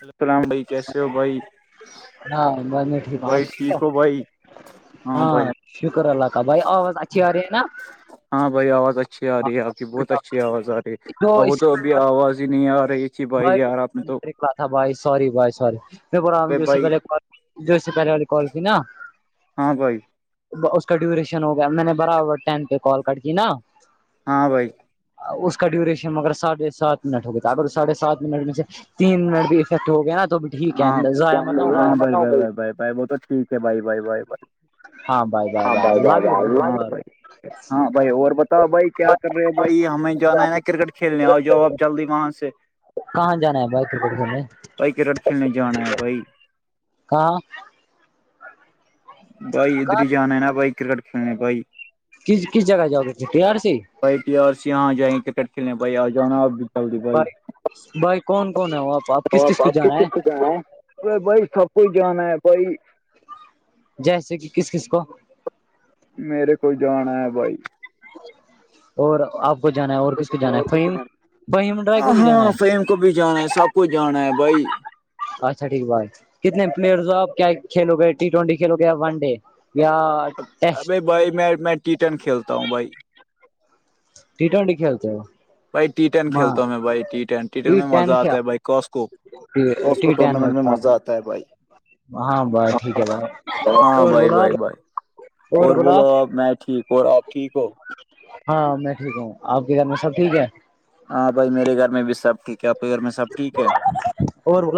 ول سلام بھائی کیسے ہو بھائی ہاں میں میں ٹھیک ہ آپ بھائی کی ٹھیک ہو بھائی ہاں [inaudible] شکر اللہ کا بھائی آواز اچھی آ رہی ہے نا ہاں بھائی آواز اچھی آ رہی ہے آپ کی بہت اچھی آواز آ رہی ہے جو اور اس وہ سے تو ابھی پہلے آواز ہی نہیں آ رہی اچی بھائی یار آپ نے تو تھا بھائی سور بھائی سی پام جو سے بھائی پہل جو سے پہلے کال کی نا ہاں بھائی اس کا ڈیوریشن ہوگیا میں نے برابر ٹم پہ کال کر کی نا ہاں بھائی اس کا ڈیوریشن مگر ساڑھے سات منٹ ہو گئے تھا اگر سڑھے سات منٹ میں سے تین منٹ بھی افیکٹ ہو گیا نا تو بھی ٹھیک ہاں ہے ضائع مت نہ ہو گئی ہاں بھائی بائی بائی بھائی بھائی وہ تو ٹھیک ہے بائی بھائی بائی بھائی [inaudible] ہاں ہاں بھائی لو یو بھائی بائی بھائی بائی بائی اور ب [inaudible] بھائی کیا کر رہے ہو بھائی ہمیں جانا ہے نا کرکٹ کھیلنے آ جا آپ جلدی وہاں سے کہاں جانا ہے باہ کرکٹ کھیلنے بھائی کرکٹ کھیلنے جان ہے بھائی ہاں [unintelligible] بھائی ادھر کہاں ہی جانا ہے نا بھائی کرکٹ کھیلنے بھائی کس کس جگہ جا پی آر سی بھائی ٹی آر سے یہاں جائیں کرکٹ کھیلنے بھائی آ جانا آپ بھی چل رہی بھائی بھائی کون کون ہے وہ آپ تو کس آپ کو آپ ک جانا ہے کس سے جانا ہے بھائی سب کوئی جانا ہے بھائی [inaudible] جیسے کہ کس کس کو میرے کول جان ہے بھائی [unintelligible] اور آپ کو جانا ہے اور کس کو جانا ہے فہیم فہیم ڈرائی کو بھی جانا ہے کبھی جانا ہے سب کچھ جانا ہے بھائی اچھا ٹھیک بھائی کتنے پلیئر ہو آپ کیا کھیلو گے ٹی ٹوینٹی کھیلو گے یا ون ڈے یا اب ٹیسٹ بھائی میں میں ٹیٹن کھیلتا ہوں بھائی ٹی ٹوینٹی کھیلتے ہو بھائی ٹی ٹین ہاں کھیلتا ہوں میں بھائی ٹی ٹین ٹی ین میں مزہ ٹین کیا آتا ہے بھائی کوسکو کوس کو ٹی ٹین ٹورنامنٹ میں مزہ آتا ہے بھائی ہاں بائی ٹھیک ہے ہاں بھائی بھائی بھائی [unintelligible] اور بولا بولو آپ میں ٹھیک اور آپ ٹھیک ہو ہاں میں ٹھیک ہوں آپ کے گھر میں سب ٹھیک ہے ہاں بھائی میرے گھر میں بھی سب ٹھیک ہے آ کے گھر میں سب ٹھیک ہے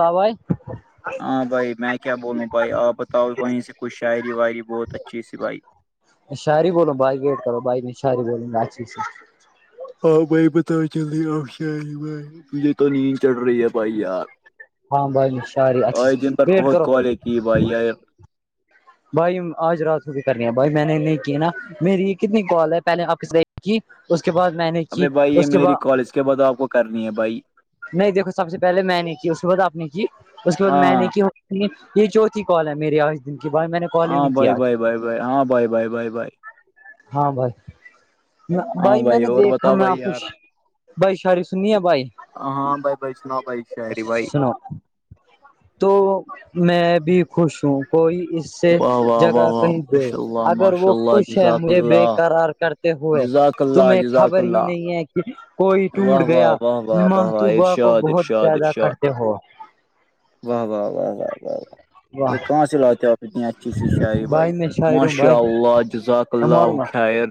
[unintelligible] ہاں بھائی میں کیا بولوں بھائی آپ بتاؤ وہیں سے کچھ شاعری واعری بہت اچھی سی بھائی شہری بولو بائی گیٹ کرو بھائی میں شہری بولوں گا اچی سے ہاں بھائی بتا چلے آپ ش بھائی تجھے تو نیند چڑھ رہی ہے بھائی یار ہاں بھائی شاعری اچھا آج دن پر ویٹ بہت کرو کالیں کی بھائی آیا بھائی آج رات کو فکر گ بھائی میں نے نہیں کی ہے نا میری یہ کتنی کال ہے پہلے آپ کی اس کے بعد میں نے کی اس کے بعد نہیں بھائی نہیں دیکھو سب سے پہلے میں نے کی اس کے بعد آپ نے کی اس کے بعد میں ہاں نے کی یہ چوتھی کال ہے میرے آج دن کی بھائی میں نے کال ہی ہاں نہیں بائے کیا آج بائے بائے بائے ہاں بائے بائے بائے بائے ہاں بھائی ہاں بھائی میں نے اور دیکھا بتاؤ میں بھائی یار کچھ بھائی ساری سننی ہے بھائی ہاں بھائی بھائی سناؤ بھائی شاعری بھائی سناو تو میں بھی خوش ہوں کوئی اس سے واہ واہ واہ جگہ واہ کہیں گئے ماشاء اللہ اگر وہ ماشاء اللہ خوش ہے جزاک مجھے بے اللہ کررار کرتے ہوئے جزاک اللہ تمہیں جزاک خبر ہی اللہ نہیں ہے کہ کوئی واہ ٹوٹ واہ گیا واہ واہ واہ واہ محتوبہ کو ارشاد بہت ارشاد پیدا ارشاد کرتے ہو واہ و و واہ واہ واہ یہ واہ کہاں سے لاتے ہو آپ اتنی اچھی سی شاعری بھائی میں شاعر ہوں ماشاء بھائی اللہ جزاک اللہ مورما خیر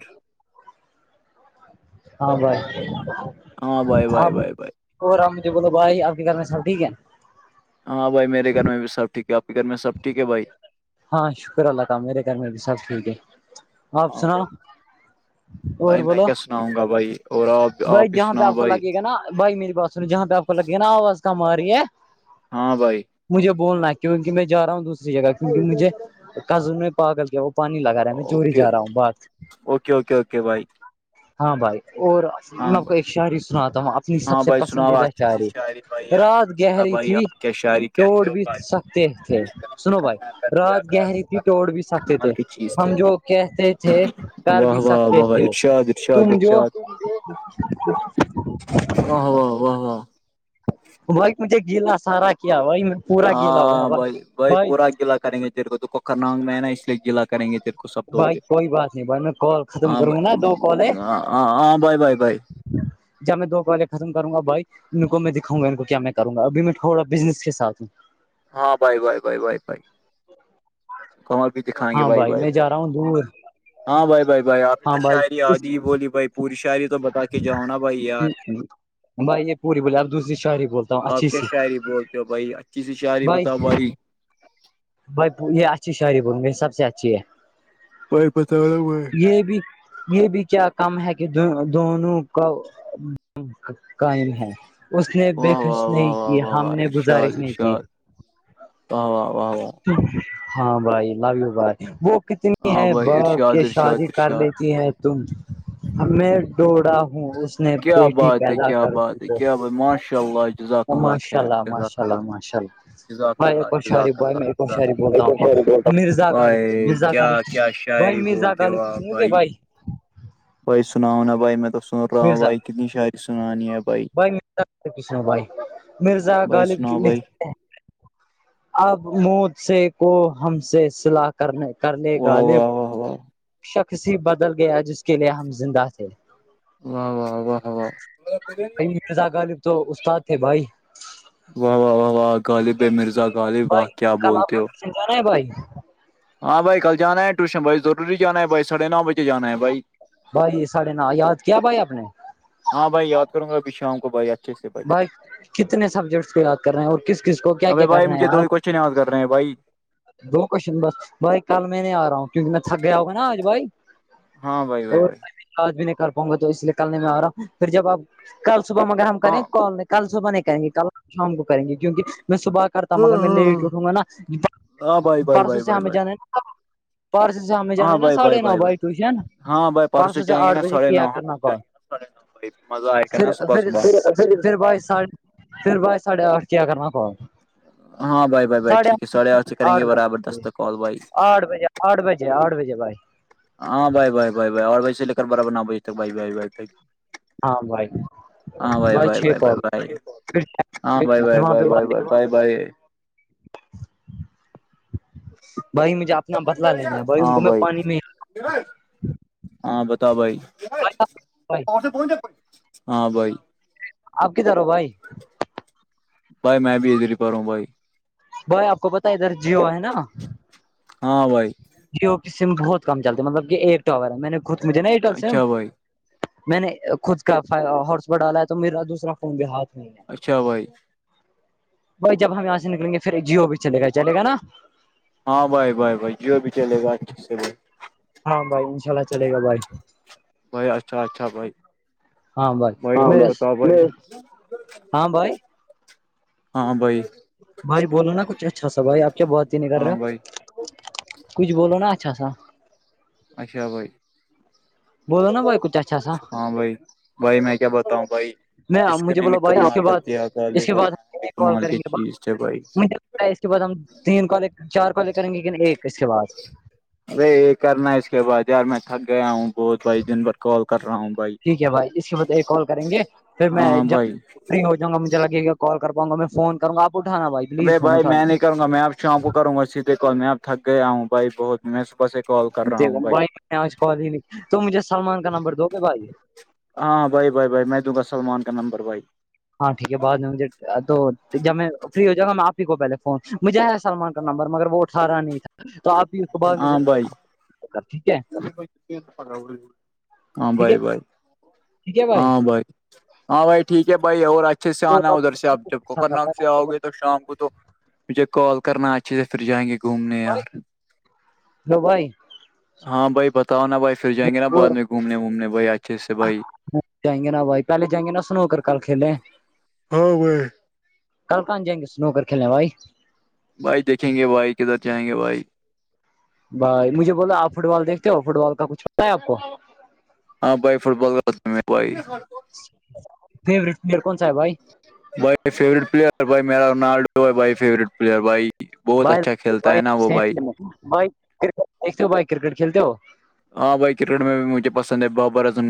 ہاں بھائی بھائی ہاں بھائی بھائی بھائی اور رامج بولو باہائی آرد کرنے سب ٹھیک ہے ہاں بھائی میرے گھر میں بھی سب ٹھیک کیا آپ کے گھر میں سب ٹھیک ہے بھائی ہاں شکر اللہ کام میرے گھر میں بھی سب ٹھیک ہے آپ ہاں سناؤ بھائی اور بھائی میں بولو کیا سناؤں گا بھائی اور آپ بھائی ہی جہاں پہ سناؤ آپ کو بھائی لگے گا نا بھائی میری بات س جہاں پہ آپ کو لگے ہے نا آواز کم آ رہی ہے ہاں بھائی مجھے بولنا ہے کیونکہ میں جا رہا ہوں دوسری جگہ کیونکہ مجھے کزن نے پاگل کیا پانی لگا رہا میں چوری اوکے جا رہا ہوں بات اوکے اوکے اوکے بھائی ہاں بھائی اور میں ہاں آپ کو بھائی ایک شاعری سناتا ہوں اپنی سب ہاں سے بھائی سناؤ پسندیدہ اچھی سی شاعری بھائی یار میں رات سنتا گہری بھائی تھی آپ کیا شاعری کہتے توڑ ہو بھی بھائی سکتے تھے سنو بھائی کر دیا رات گہری تھی کمال توڑ بھی سکتے تھے کی چیز تھے ہم جو کہتے تھے کر واہ بھی واہ سکتے واہ واہ تھے ارشاد ارشاد تم جو ارشاد واہ واہ واہ واہ وہی مجھے گیلا سارا کیا بھائی میں پورا گیلا ہو گیا ہاں بھائی بھائی پورا گیلا کریں گے جیر کو تو کوکر نانگ میں ہے نا اس لیے گیلا کریں گے تیر کو سب لوگ بھائی کوئی بات نہیں بھائی میں کال ختم ہاں کروں نا دو کال ہے ہاں بھائی بھائی بھائی جب میں دو کالے ختم کروں گا بھائی ان کو میں انکو کیا میں کروں گا اب میں تھوڑا بزنس کے ساتھ ہوں ہاں بھائی بھائی بھائی بھائی بھائی کمار بھی دیکھاے گے ہاں بائی بھائی بائی میں بائی جا رہا ہوں دور ہاں بھائی بھائی بھائی آپ نے ہاں تو بھائی شاعری آادھی بولی بھائی پوری شاعری تو بتا کے جاؤ نا بھائی یار بھائی یہ پوری بولے اب دوسری شاعری بولتا ہوں آپ اچھی کیا سی شاعری بولتے ہو بھائی اچھی سی شاعری بتاؤ بھائی بھائی یہ اچھی شعری بولو گی یی سب سے اچھی ہے [unintelligible] یہ بھی یہ بھی کیا کم ہے کہ دونوں کا قائم ہے اس نے بے واہ خش واہ واہ نہیں واہ کی واہ ہم واہ نے ارشاد گزارش نہیں کی ارشاد واہ واہ واہ واہ ہاں بھائی لویو بھائی کتنی ہاں ہے بھائی با گ ارشاد کے ارشاد شادی کر ارشاد لیتی ہے تم ہمیں ڈڑا اس نے کیا بیٹی بات ہے پیدا کیا کر دی بات ہے کیا بھائی ماشاء اللہ جزاک ماشاء خیر اللہ جزاک ماشاءلہ ء اللہ ماشاء اللہ جزاک اللہ میں ش جزاک بھائی اللہ میں ایک جزاک شہری بولتا ہوں آ کو اللہ مرزا غالب جی بھائی کیا مرزاغالب جی کیا بھائی شاعری مرزا بولتے ہو غالب آپ سنو گے بھائی بھائی سناؤنا بھائی میں تووں سن رہا ہوں مرزا بھائی کتنی شعری سنانی ہے بھائی مرزا غالب کی سنو بھائی مرزا بھائی غالب سناؤ کیلی بھائی ہیں اب موت سے کو ہم سے سلا کرنے واہ کرےےغالب واہ واہ واہ شخص ہی بدل گیا جس کے لیے ہم زندہ تھے واہ واہ واہ واہ میرزا غالب تو استاد تھے بھائی واہ واہ واہ واہ غالب مرزا غالب واہ کیا بولتے ہو چتا نہیں بھائی ہاں بھائی کل جانا ہے ٹیوشن بھائی ضروی جانا ہے بائیاھے نو بجے جانا ہے بھائی بھائی سڑے ن یاد کیا بھائی آپ نے ہاں بھائی یاد کروں گابھی شام کو بائی بھائی کتنے سبجیکٹس کو یاد کر رہے ہیں اور کس کس کو کیا ابے کیا کر بھائی رہے مجھے دو ہیں ہی کوشچن یاد کر رہے ہیں بھائی بھائی کل میں نہیں آ رہا ہوں کیونکہ میں تھک گیا ہوگا نا آج بھائی ہاں بھائی بھائی بھائی اورآج بھی نہیں کر پاؤ گا تو اس لیے کل نہیں میں آ رہا ہوں پھر جب آپ کل صبح میں اگر ہم ہاں کریں ک کل صبح نہیں کریں گے کل شام کو کریں گے کیونکہ میں صبح کرتا ہ مگر میں لیٹ اٹھوں گا نا ہاں بھائی بھائی پرسوں بھائی سے بھائی ہمیں بھائی جانا پرسو سے جانا ہے ناساڑے نو بھائی ٹیوشن ہاں بھائی پانچ سو پرسوں سے جائیں گے آٹھ نا بجے ساڑھے کیا نو ہم کرنا بھی کال جائیں گے نا ساڑھے نو بھائی پھر مزہ آئے گا پھر نا صبح پھر صبح پھر بائی پھر بائی ساھے آٹھ کیا کرنا کال ہاں بھائی بھائی بھائی ساڑھے ٹھیک ہے آٹھ سڑے آڑھ سے کریں آٹھ گے برابر بجے دست کال بھائی آٹھ بجے آٹھ بجے آٹھ بجے بھائی ہاں بھائی بھائی بھائی بائی آڑھ بجے سے لیلکر برابر نو بجے تک بھائی بھائی بیٹھک ہاں بھائی ہاں بائی ب بھائی بائی چھ بائے کال بائے ہاں بائی پھر بائے بائے ب ب ب بائے بائی مجھے اپنا بدلا لینا ہے بائی ان ہاں کو میں بھائی پانی میں ہاں بتاؤ بھائی بھائی ہاں بھائی آپ کدھر ہو بھائی بھائی میں بھی ادھر پڈھو ہوں بھائی بھائی آپ کو پتی ہے ادھر جیو ہے نا ہاں بھائی جیو کی سم بہت کم چلتی ہے مطلب کہ ایک اور ہے میں نے خود مجھے نا ایئرٹیل سم اچھا بھائی میں نے خود کا ہارس ب ڈالا ہے تو میرا دوسرا فون بھی ہاتھ میں ہے اچھا بھائی وہی جب ہم یہاں سے نلیں گے پھر جیو بھی چل گا چل گا نا ہاں بھائی بھائی بھائی جیو بھی چلے گا اچھے سے بھی ہاں بھائی ان شاء اللہ چلے گا بھائی بھائی اچھا اچھا بھائی ہاں بھائی میں ہاں بھائی ہاں بھائی بھائی بولو نا کچھ اچھا سا بھائی آپ کیا بات ہی نہیں کر ہاں رہے بھائی کچھ بولو نا اچھا سا اچھا بھائی بولو نا بھائی کچھ اچھا سا ہاں بھائی بھائی میں کیا بتاؤ بھائی میں عشکر مجھے نے بولو بھائی نکلا اس کے کر بعد دیا ک اس کے ورن بعد ہم ایک کال نکمال کریں کے گے چیز سے بھائی مجھے لگتا اس کے بعس ہم تین کالے چار کالے کریں گے کن ایک اس کے بعس ار یہ کرنا ہے اس کے بعد یار میں تھک گیا ہوں بہت بائی دن بھر کال کر رہا ہوں بھائی ٹھیک ہے بھائی اس کے بت ایک کال کریں گے پھر میں ہاں جب بھائی فری ہو جؤںا مجھے لگ گا کال کر پاںا میں فون کر گاپٹھانا بھائی ابے پلیز فون بھائی میں اٹھانا نہیں کروںا میں آپ شؤ کو کروں گا اس سیدھے کال میں اب تھک گیا ہوں بھائی بہت میں صبح سے کال کر رہا ہوں بھائی دیکھمبائی میں آج کال ہی نہیں تو مجھے سلمان کا نمبر دو گے بھائی ہاں ہاں بھائی بھائی بھائی میں دوں گا سلمان کا نمبر بھائی ہاں ٹھیک ہے بعد میں مجھے تو جب میں فری ہو جائے گا میں آپ ہی کو پہلے فون مجھے ہے سلمان کا نمبر مگر وہ اٹھارا نہیں تھا تو آپ کو بعد ہاں میں بھائی ٹھیک ہے ہاں ٹھیک ہے بائے بائے ٹھیک ہے ہاں بھائی ہاں بھائی ٹھیک ہے بھائی اور اچھے سے تو آنا ادھر سے آپ جب اچھا کوکر تھا ناگ بھائی سے آؤ گے تو تو شام کو تو مجھے کال کرنا اچھے سے پھر جائیں گے گھومنے یار ہبھائی ہاں بھائی بتاؤ نا بھائی پھر جائیں گے نا وہ بعد میں گھومنے وومنے بھائی اچھے سے بھائی جائیں گے نا بھائی پہل جائیں گے نا سنو ہو کر کل کھیلیں ہاں وہئے کل آن جائیں گے سنو کر کھیلنے بھائی بھائی دیکھیں گے بھائی کدھر جائیں گے بھائی بھائی مجھے بولا آپ فٹ بال دیکھتے ہو فٹ بال کا کچھ ہوتا ہے آپ کو ہاں بھائی فٹ بال کاتے بھائی جچ فیورٹ پلیئر کون ہے بھائی بھائی فورٹ پلیئر بھائی میرا روونالڈو بائی فوریٹ پلیئر بھائی بہت اچھا کھیلتا بھائی ہے نا وہ بھائی ککٹ کلتے ہو ہاں بھائی کرکٹ میں بھی مجھے پسند ہے Babar Azam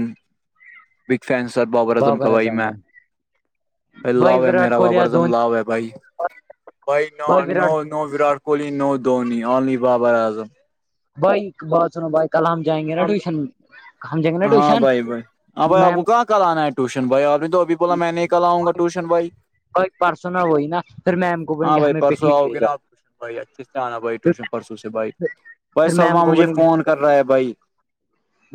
big fan sir Babar Azam کبائی میں لو بھائی ہے وراٹ میرا کوہلی یا بابر دم دھونی لو ہے بھائی بھائی no Virat Kohli no Dhoni only Babar Azam بھائی بات سنو بھائی کل ہم جائیں گے نا ٹیوشن میں ہاں بھائی بھائی ہاں بھائی آپ میم کو کہاں ک لانا ہے ٹیوشن بھائی آ نے تو ابھی بولا میں نکل آؤںا ٹوشن بھائی اورئی پرارسو نہ وہی نا پھر میم کو بولیں گے ہمیں پکنک لے جاؤ بائی اچھی بھائی ٹیوشن پرسوں سے بھائی بھائی پھر میم سللما کو مجھے بولیں گے فون کر رہا ہے بھائی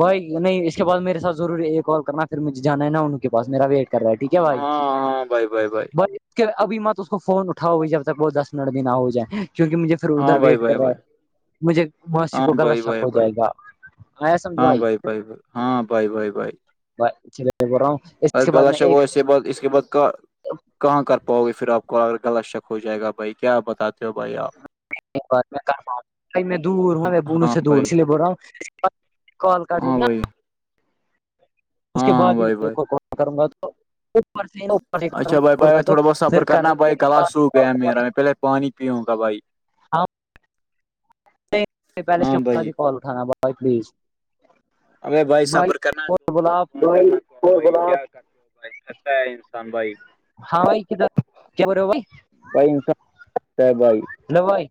بھائی نہیں اس کے بعد میرے سات ضرور یہ کال کرنا پھر مجھےانا ہے نا انہ کے پس میرا ویٹ کر رہا ٹھیک ہے بھائی ہاں ہاں بھائی بھائی بھائی بائی ابھی میں تو اس کو فون اٹاؤ گی جب تک وہ دس منٹ دن آ ہو جائے کیونوں کہ مجھے پھر ادھر ہاں بھائی ویٹ کر بھائی رہا بھائی ہے مجھے موسیی ہاں کو گغلط بھائی شک بھائی ہو بھائی جائے گا آیا سمجھ ہاں بھائی بائی بائی ہاں بھائی بھائی بھائی بھائی بول رہا ہوں اس کے بعد اورلا میں شک ہو ایک بع اس کے بعد کہاں کر پاؤ گے پھر آپ کو ا غلط شک ہو جائے گا بھائی کیا بتاتے ہو بھائی آپ ایک بار میں میں دور ہوں ہاں میں بونوں ہاں سے دور بھائی اس لیے بول رہا ہوں کال کٹ ہو ہاں گیا بھائی اس ہاں کے ہاں بعد ہی بھائی میں دیکھ بھائی کوال کروں گا تو سے اچھا بھائی بھائی بھائی اپر تو تھوڑا بہت صبر فر کر کرنا رہی بھائی گلا سوکھ گیا میرا میں پہلے پانی پیوں گا بھائی پیلس کے ہاں ساتھ بھائی ہی کال اٹھانا بھائی پلیز ارے بھائی صبر کرنا اور بولا آپ دو کیا کرتے ہو بھائیتا ہے انسان بھائی ہاں بھائی کد کیا بر بھائی بھائی انسان تھکتا ہے بھائی بھائی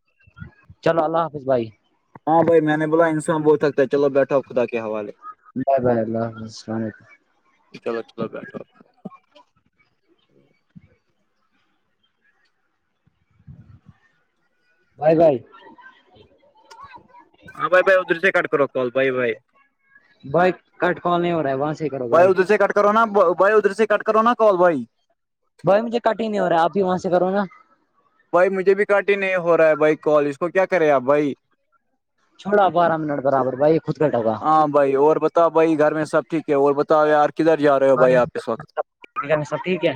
چلو اللہ حافظ بھائی ہاں بھائی میں نے بولا انسان بہتکتا ہے چو بیٹھا خدا حوالے بائے بائےائی اللہ حافظسل علیکم چلو چلو بائی بھائی ہاں بائی بائی ادر سے کاٹ کر رکھاول بھائی بائی بائی کاٹ کال نہیں ہو رہا ہے وہاں سے بھائی ادھر سے کٹ کرو نا بھائی ادھر سے کٹ کرو نا کال بھائی بھائی مجھے کٹ ہی نہیں ہو رہا آپ بھی وہاں سے کرو نا بھائی مجھے بھی کٹی نہیں ہو رہا ہے بھائی کال اس کو کیا کرے آپ بھائی چوڑا بارہ منٹ برابر بائی خود کٹ ہوگا ہاں بھائی اور بس بتا بھائی گھر میں سب ٹھیک ہے اور بتاؤ یار کدھر جا رہا سب ٹھیک ہے